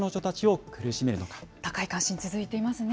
高い関心、続いていますね。